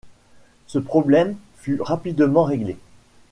Ce problème fut rapidement réglé.